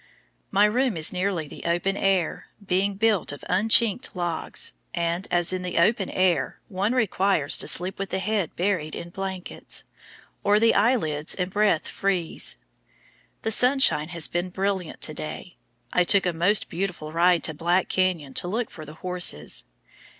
My room is nearly the open air, being built of unchinked logs, and, as in the open air, one requires to sleep with the head buried in blankets, or the eyelids and breath freeze. The sunshine has been brilliant to day. I took a most beautiful ride to Black Canyon to look for the horses.